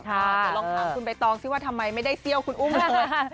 เดี๋ยวลองถามคุณใบตองซิว่าทำไมไม่ได้เซี่ยวคุณอุ้มเลย